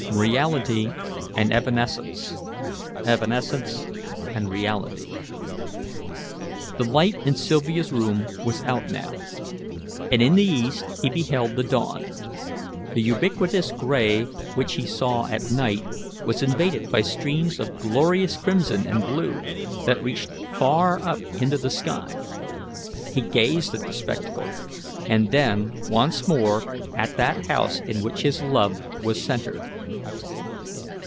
Reality and evanescence evanescence and reality." The light in Sylvia's room was out now, and in the east he beheld the dawn. The ubiquitous grey which he saw at night was invaded by streams of glorious crimson and blue that reached far up into the sky. He gazed at the spectacle, and then once more at that house in which his love was centred.